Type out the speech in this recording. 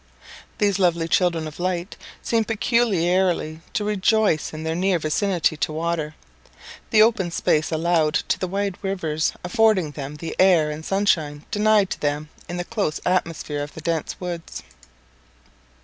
These lovely children of light seem peculiarly to rejoice in their near vicinity to water, the open space allowed to the wide rivers affording them the air and sunshine denied to them in the close atmosphere of the dense woods.